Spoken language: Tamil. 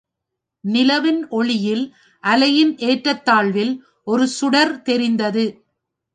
நிலவின் ஒளியில், அலையின் ஏற்றத்தாழ்வில் ஒரு சுடர் தெரிந்தது.